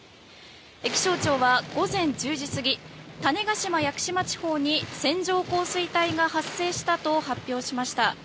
気象庁は午前１０時過ぎ種子島・屋久島地方に線状降水帯が発生したと発表しました。